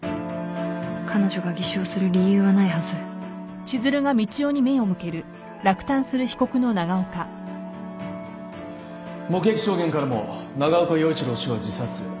彼女が偽証する理由はないはず目撃証言からも長岡洋一郎氏は自殺。